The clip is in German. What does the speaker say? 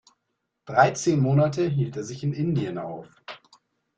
Dreizehn Monate hielt er sich in Indien auf.